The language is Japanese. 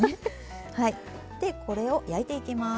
でこれを焼いていきます。